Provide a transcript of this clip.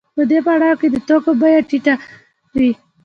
په دې پړاو کې د توکو بیه ټیټه وي